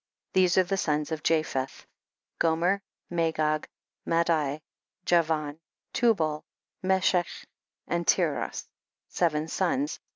2. Tiiese are the sons of Japheth ; Gomer, Magog, Madai, Javan, Tu bal, Meshech and Tiras, seven sons.